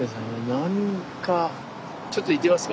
何かちょっと行ってみますか。